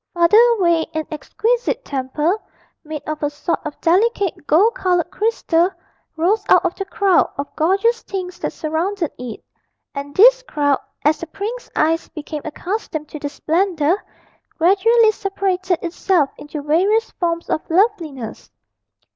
Farther away, an exquisite temple, made of a sort of delicate gold coloured crystal, rose out of the crowd of gorgeous things that surrounded it, and this crowd, as the prince's eyes became accustomed to the splendour, gradually separated itself into various forms of loveliness.